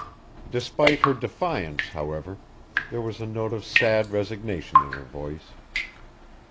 Despite her defiance, however, there was a note of sad resignation in her voice.